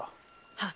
はっ。